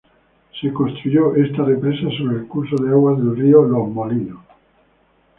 Se construyó esta represa sobre el curso de agua del río Los Molinos.